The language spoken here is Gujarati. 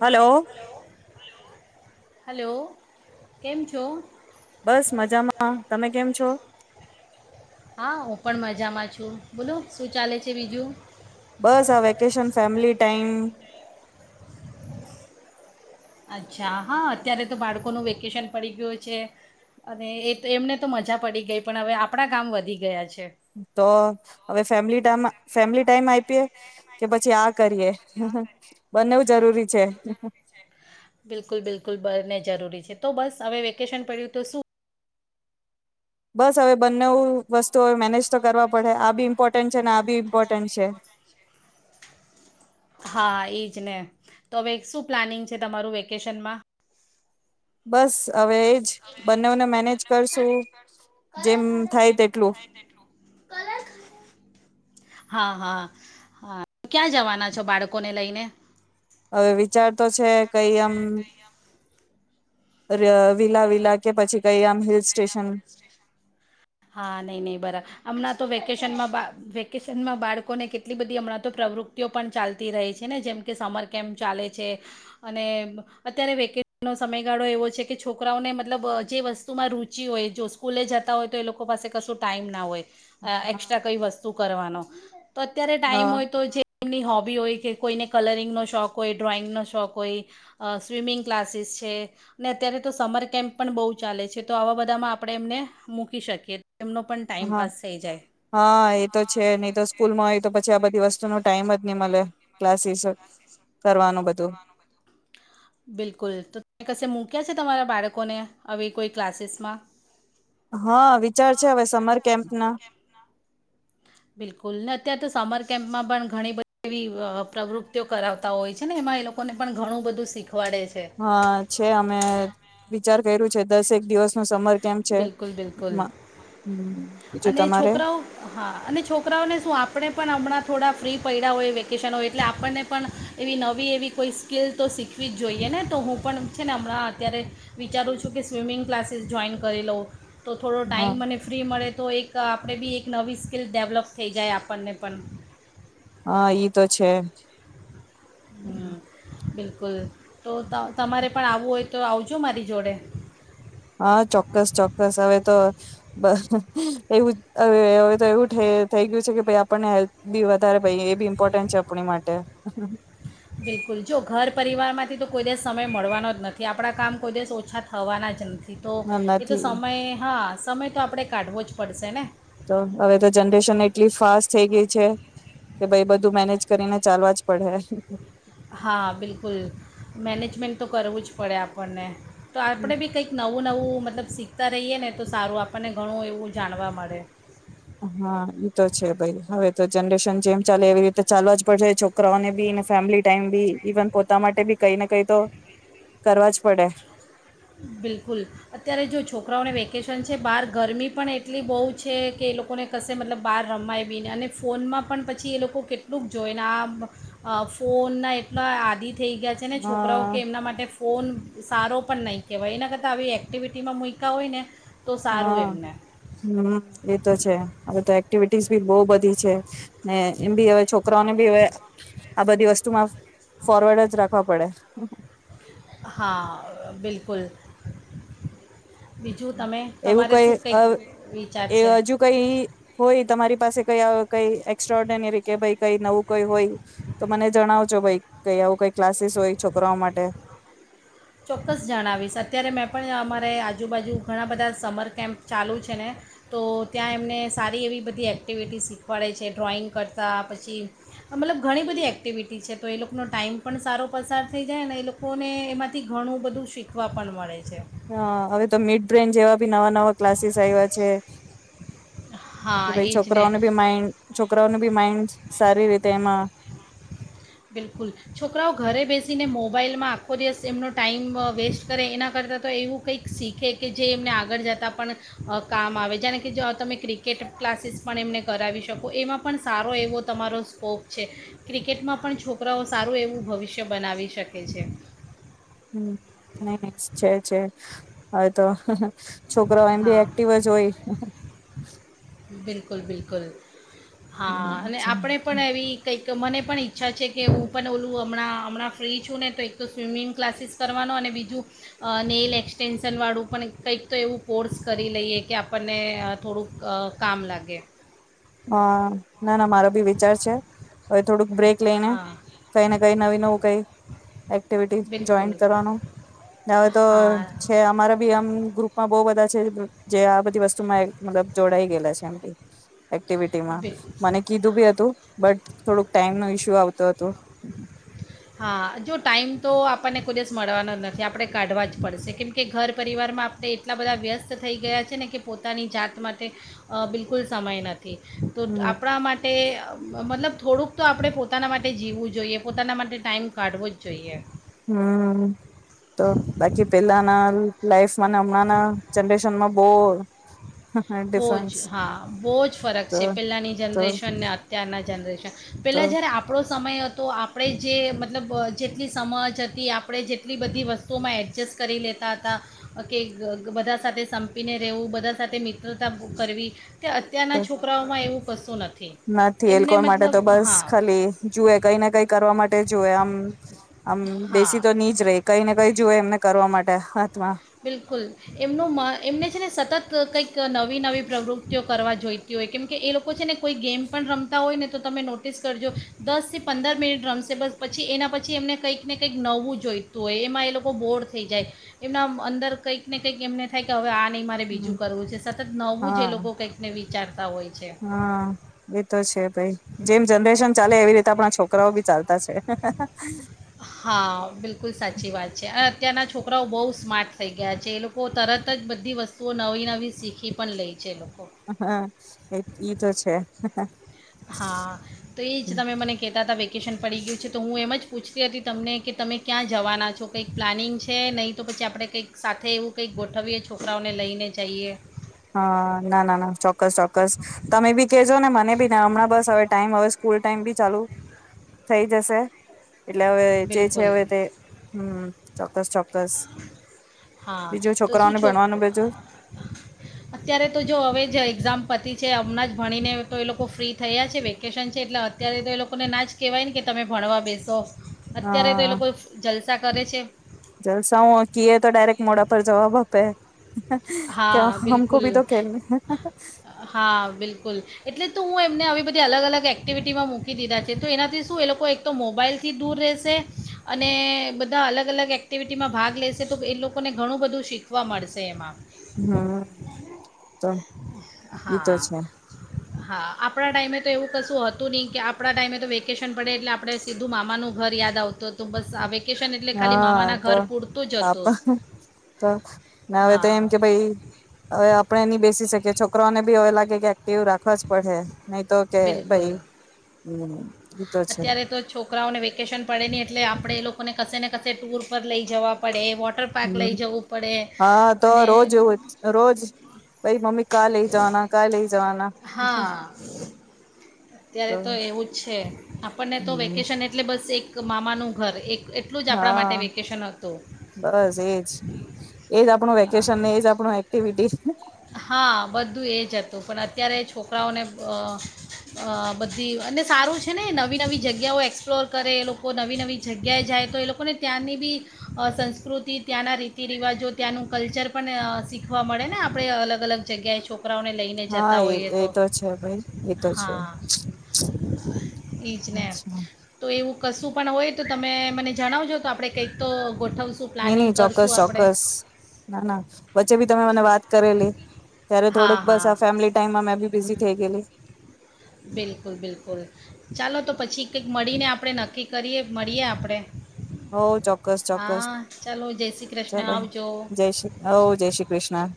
હલો. હલો કેમ છો? બસ મજામાં તમે કેમ છો હા. પણ મજામાં છું બોલો શું ચાલે છે બીજું. બસ. આ વેકેશન, ફેમલી ટાઈમ અચ્છા હા અત્યારે તો બાળકોનું વેકેશન પડી ગયું હોય છે અને એ તો એમને તો મજા પડી ગઈ, પણ હવે આપણા કામ વધી ગયા છે. તો, હવે ફેમિલી ટાઇ ફેમિલી ટાઈમ, આપીએ કે પછી આ કરીએ બંનેવ જરૂરી છે. બિલકુલ બિલકુલ બને જરૂરી છે તો, બસ હવે વેકેશન પડ્યું તો શું? બસ હવે બનેવ વસ્તુઓ મેનેજ તો કરવા પડે, આ બી ઇમ્પોર્ટન્ટ છે ને, આ બી ઇમ્પોર્ટન્ટ છે. હા, એજ ને, તો હવે શું પ્લાનિંગ છે તમારું વેકેશનમાં? બસ અવે બનેવ ને મેનેજ કરશું, જેમ થાય તેટલું. હા હા હા, ક્યાં જવાના છો બાળકો ને લઈને? હવે વિચાર તો છે કઈ આમ વિલા વિલા કે પછી કાઈ આમ હિલ સ્ટેશન. હા નહીં નહીં બરા, હમણાં તો વેકેશનમાં બા વેકેશનમાં બાળકોને કેટલી બધી હમણાં તો પ્રવૃત્તિઓ પણ ચાલતી રહે છે ને, જેમકે સમર કેમ્પ ચાલે છે, અને અત્યારે વેકેશનનો સમયગાળો એવો છે કે છોકરાઓને મતલબ જે વસ્તુમાં રુચિ હોય જો સ્કૂલે જતા હોય તો એ લોકો લોકો પાસે કશું ટાઈમ ના હોય, એકસ્ટ્રા કઈ વસ્તુ કરવાનો. તો અત્યારે ટાઈમ હા હોય તો જેમની હોબ હોય કે કોઈને કલરિંગનો શોખ હોય, ડ્રોઈંગનો શોખ હોય, સ્વિમિંગ ક્લાસીસ છે ને, અત્યારે તો સમર કેમ્પ પણ બહુ ચાલે છે તો આવા બધામાં આપણે એમને મૂકી શકીએ. એમનો પણ હા ટાઈમપાસ થઈ જાય હા એ તો છે ની તો સ્કૂલ માં હોય તો પછી આ બધી વસ્તુ ટાઈમ જ નઈ મળે, ક્લાસીસ કરવાનું બધું. બિલકુલ તો તમે કશે મૂક્યા છે તમારા બાળકોને આવી કોઈ ક્લાસીસમાં? હા વિચાર છે હવે સમર કેમ્પના. બિલકુલ ને અત્યારે તો સમર કેમ્પમાં પણ ઘણી બધી પ્રવૃત્તિઓ કરાવતા હોય છે ને એમાં એ લોકોને પણ ઘણું બધું શીખ હા છે અમે વિચાર કર્યું છે. દસેક દિવસ નો સમર કેમ્પ છે બિલકુલ બિલકુલ માં હમ બીજું અને તમારે છોકરાઓ હા અને છોકરાઓને શું આપણે પણ હમણાં થોડા ફ્રી પયડા હોય વેકેશન હોય એટલે આપણને પણ એવી નવી એવી કોઈ સ્કીલ તો શીખવી જ જોઈએ ને, તો હું પણ છે ને હમણાં અત્યારે વિચારું છું કે સ્વિમિંગ ક્લાસીસ જોઈન કરી લવ તો થોડો હા ટાઈમ મને ફ્રી મળે તો એક આપ આપણે બી એક નવી સ્કીલ ડેવલપ થઈ જાય આપણને પણ હા ઈ તો છે. હમ અ બીલ કુલ તો ત તમારે પણ આવવું હોય તો, આવજો મારી જોડે. હા ચોક્કસ ચોક્કસ હવે તો [unintelligible] એવું હ હવે તો એવું થઈ ગયું છે કે, ભાઈ આપણને હેલ્થ બી વધારે ભાઈ એ બી ઇમ્પોર્ટન્ટ છે આપણી માટે બિલકુલ જો ઘર પરિવારમાંથી તો કોઈ દિવસ સમય મળવાનો જ નથી. આપણા કામ કોઈ દિવસ ઓછા થવાના જ નથી. [unintelligible] તો એ તો નથી સમય હા સમય તો આપણે કાઢવો જ પડશે ને તો હવે તો જનરેશન એટલી ફાસ્ટ થઈ ગઈ છે કે, ભાઈ બધું મેનેજ કરીને ચાલવા જ પડે. હા, બિલકુલ. મેનેજમેન્ટ તો કરવું જ પડે આપણને. તો આપણે બી કંઈક નવું નવું મતલબ શીખતા રહીએ ને તો સારું, આપણને ઘણું એવું જાણવા મળે. હા ઈ તો છે, ભાઈ. હવે તો જનરેશન જેમ ચાલે એવી રીતે ચાલવા જ પડશે. છોકરાઓને બીને, ફેમિલી ટાઈમ બી, ઈવન પોતા માટે બી કઈ ને કઈ તો કરવા જ પડે. બિલકુલ, અત્યારે જો છોકરાઓને વેકેશન છે બહાર ગરમી પણ એટલી બહુ છે કે એ લોકોને કશે મતલબ બહાર રમાય બીને અને ફોનમાં પણ પછી એ લોકો કેટલુંક જોઈને આ અ ફોનના એટલા આદિ થઈ ગયા છે ને છોકરાઓ હા કે એમના માટે ફોન સારો પણ નહીં. કેવાય એના કરતાં આવી એક્ટિવિટીમાં મુયકા હોય ને તો સારું હા એમને હમ એતો છે. હવે તો એક્ટિવિટીઝ બી બહુ બધી છે. ને એમ ભી હવે છોકરાઓને ભી હવે. આ બધી વસ્તુમાં ફોરવર્ડ જ રાખવા પડે. હા બિલકુલ. બીજું તમે એવું તમારે કઈ શું અ કંઈક વિચાર એ છે અજુ કઈ હોય તમારી પાસે કઈ અ કઈ એક્સ્ટ્રાઓર્ડરી કે ભઈ કઈ નવું કઈ હોય તો મને જણાવજો ભઈ કઈ આવું કઈ ક્લાસીસ હોય છોકરાઓ માટે. ચોક્કસ જણાવીશ, અત્યારે મેં પણ અમારે આજુબાજુ ઘણા બધા સમર કેમ્પ ચાલુ છે ને તો ત્યાં એમને સારી એવી બધી એક્ટિવિટી શીખવાડે છે, ડ્રોઈંગ કરતાં પછી મતલબ ઘણી બધી એક્ટિવિટી છે તો એ લોકોનો ટાઈમ પણ સારો પસાર થઈ જાય ને એ લોકોને એમાં થી ઘણું બધું શીખવા પણ મળે છે. હા હવે તો મિડબ્રેન જેવા બી નવા નવા ક્લાસીસ આઈવા છે. કે હા ભાઈ એ જ ને છોકરાઓનું બી માઇન્ડ છોકરાઓનું બી માઇન્ડ સારી રીતે એમાં બિલકુલ છોકરાઓ ઘરે બેસીને મોબાઈલમાં આખો દિવસ એમનો ટાઈઇમ વેસ્ટ કરે એના કરતાં તો એવું કંઈક શીખે કે જે એમને આગળ જતાં પણ કામ આવે. જાણે કે જ તમે ક્રિકેટ ક્લાસીસ પણ એમને કરાવી શકો એમાં પણ સારો એવો તમારો સ્કોપ છે. ક્રિકેટમાં પણ છોકરાઓ સારું એવું ભવિષ્ય બનાવી શકે છે. હમ છે છે હવે તો છોકરા એમ બી હા એક્ટિવ જ હોય. બિલકુલ બિલકુલ હા અને આપણે પણ એવી કઈક કે મને પણ ઈચ્છા છે કે હું પણ ઓલું હમણાં હમણાં ફ્રી છું ને તો એક સ્વિમિંગ ક્લાસીસ કરવાનો અને બીજું નેઇલ એક્સટેન્શનવાળું પણ કંઈક તો એવું કોર્સ કરી લઈએ કે આપણને થોડુંક કામ લાગે. હા ના ના મારો ભી વિચાર છે હવે થોડુંક બ્રેક લઈને હા કઈને કઈ નવી નવું કઈ એક્ટિવિટી બિલકુલ જોઈન્ટ કરવાનું હવે તો હા છે અમારા બી આમ ગ્રુપમાં બો બધા જે રિત જેઆ વસ્તુમાં એક મતલબ જોડાઈ ગેલા છે એમ ભી એક્ટિવિટીમા બિલકુલ મને કીધું બી હતું બટ થોડુંક ટાઈમ નો ઇશ્યુ આવ. તો તો હા જો ટાઈમ તો આપણને કોઈ દિવસ મળવાનો જ નથી આપણે કાઢવા જ પડશે કેમ કે ઘર પરિવારમાં આપણે એટલા બધા વ્યસ્ત થઈ ગયા છે. ને કે પોતાની જાત માટે બિલકુલ સમય નથી. તો હમ આપણા માટે મતલબ થોડુંક તો આપણે પોતાના માટે જીવું જોઈએ પોતાના માટે ટાઈમ કાઢવો જ જોઈએ. હમ તો બાકી પહેલાના લાઈફ હણ હમણાં જરેશન માં બોર. બહુ જ હા બહુ જ ફરક તો છે પેલાની તો જનરેશનને ત્યાના જનરેશન તો પેલા જયારે આપણો સમય હત. તો આપણે જે મતલબ જેટલી સમજ હતી આપણે જેટલી બધી વસ્તુઓમાં એડજસ્ટ કરી લેતા હતા, કે બધા સાથે સંપીને રહેવું બધા સાથે મિત તો ત ઉપ ઉપરવી. કે અત્યારના તો છોકરાઓમાં એવું [unintelligible] નથી એ લોકો એમને કોઈ માટે મતલબ તો બસ હા ખાલી જુએ કઈ ને કઈ કરવા માટે જુવે આમ આમ હા બેસી તો નહી જ ર કઈ ને કઈ જુય એમને કરવા માટે. [unintelligible] બિલકુલ એમનું મ એમને છે ને સતત કંઈક નવી નવી પ્રવૃત્તિઓ કરવા જોઈતી હોય, કેમકે એ લોકો છે ને કોઈ ગેમ પણ રમતા હોય ને તો તમે નોટિસ કરજો દસથી પંદર મિનિટ રમશે બસ, પછી એના પછી એમને કંઈક ને કંઈક નવવું જોઈતું હોય, એમાં એ લોકો બોર થઈ જાય એમના. અંદર કંઈક ને કંઈક એમને થાય કે હવે ની મારે બીજું કરવું છે સતત નવું જે હા લોકો કંઈકને. ચાર. હા એતો છે. ભાઈ જેમ જનરેશન ચાલે એવી રીતે આપણા છોકરાઓ બી ચાલતા છે. હા બિલકુલ સાચી વાત છે અને અત્યારના છોકરાઓ બહુ સ્માર્ટ થઈ ગયા છે એ લોકો તરત જ બધી વસ્તુઓ નવી નવી શીખી પણ લેય છે. હા એ ઈ તો છે. [inaudible] હા તો એજ તમે મને કેતા હતા વેકેશન પડી ગયું છે તો હું એમ જ પૂછતી હતી તમને કે તમે ક્યાં જવાના છો કંઈક પ્લાનિંગ છે, નહીં તો પછી આપણે કંઈક સાથે એવું કંઈક ગોઠવીએ છોકરાઓને લઈને જઈએ. હા ના ના ના ચોક્કસ ચોક્કસ તમે બી કેજો ને મને બી હમણાં બસ હવે ટાઈમ હવે સ્કૂલ ટાઈમ બી ચાલુ થઈ જશે. એટલે હવે જે છે બિલકુલ હવે તે હમ. [unintelligible] ક્કસ હા બીજું તો શું છોકરાઓને છોક ભણવાનું બજું. અત્યારે તો જો હવે જ એક્ઝામ પતી છે હમણાં ભણીને તો એ લોકો ફ્રી થયા છે વેકેશન છે એટલે અત્યારે તો એ લોકોને ના જ કહેવાય ને કે તમે ભણવા બેસો. અત્યારે તો એ હા લોકો જલસા કરે છે. જલસા હું કએ તો ડાયરેક્ટ મોડા પર જવાબ આપે. કે હા હમકો બિલકુલ ભી તો કે હમ હા બિલકુલ એટલે ત હું એમને આવી બધી બધી અલગ અલગ એક્ટિવિટીમાં મૂકી દીધા છે, તો એનાથી શું એ લોકો એક તો મોબાઈલથી દૂર રહેશે અને બધા અલગ અલગ એક્ટિવિટીમાં ભાગ લેશે, તો એ લોકોને ઘણું બધું શીખવા મળશે એમાં. હા ત. એતો હા છે. હા, આપણા ટાઈમે તો એવું કશું હતું નહી કે આપડા ટાઈમે તો વેકેશન પડે એટલે આપણે સીધું મામાનું ઘર યાદ આવતું હતું બસ હવે હા, તો આપ હતું હવે તો હા એમ કે ભાઈ હવે આપણે નહી બેસી શકીએ છો. છોકરોને બી હવે લાગે કે એક્ટિવ રાખવા જ પડહે. નહી તો કે બિલકુલ ભાઈ હમ. એ તો છે અત્યારે તો છોકરાઓને વેકેશન પડે નહી એટલે આપણેે એ લોકોને કશેને કશે ટુર પર લઈ જવા પડે. હૉટ હમ, હા તો અને રોજ રોજ, રોજ પહી મમ્મી કા લઈ જવાના કા લઈ જવાના? હા અત્યારે તો એવું જ છે. આપણને તો હમ વેકેશન એટલે બ બસ એક મામાનું ઘર, એક એટલું જ આપણા માટે હા વેકેશન હતું બસ એજ એજ આપ પણ હા વેકેશન એ જ આપણું આપ એક્ટિવિટીઝ ને હા બધું એજ હતું પણ અત્યારે છોકરાઓને અ અ બધી અને સારું છે ને, નવી નવી જગ્યાઓ એક્સપ્લોર કરે એ લોકો નવી નવી જગ્યાએ જાય તો એ લોકોને ત્યાંની બી અ સંસ્કૃતિ, ત્યાંના રીતિ રિવાજો ત્યાંનું કલ્ચર પણ અ શીખવા મળે ને આપણે આપણે અલગ અલગ જગ્યાએ છો હા એ એ તો છે ભાઈ, એ તો છે. [unintelligible] ઈ જ ને અચ્છા તો એવું કશું પણ હોય તો તમે મને જણાવજો તો આપણે કંઈક તો ગોઠવશું નઈ પ્લાનિંગ નહી, કરશું ચોક્કસ આપણે ચોક્કસ, ના ના. એ બી તમે મને વાત કરેલી. ત્યારે હા થોડુંક બસ હા આ ફેમિલી ટાઈમમાં મેં બી બિઝી થઈ ગયેલી. બિલકુલ બિલકુલ ચાલો તો પછી કંઈક મળીને આપણે નક્કી કરીએ, મળીએ આપણે. હો ચોક્કસ ચોક્કસ હા ચાલો જય શ્રી કૃષ્ણ ચલો, આવજો જય શ્રી, હો જય શ્રી કૃષ્ણ.